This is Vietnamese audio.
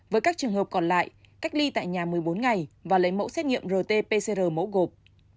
với các trường hợp còn lại cách ly tại nhà một mươi bốn ngày và lấy mẫu xét nghiệm rt pcr mẫu gộp